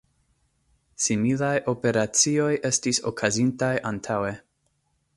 Similaj operacioj estis okazintaj antaŭe.